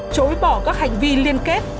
chối bỏ các hành vi liên kết